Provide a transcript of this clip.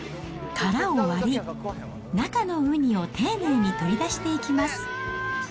殻を割り、中のウニを丁寧に取り出していきます。